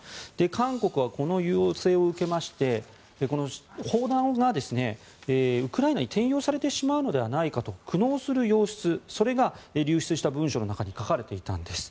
韓国はこの要請を受けまして砲弾がウクライナに転用されてしまうのではと苦悩する様子それが流出した文書の中に書かれていたんです。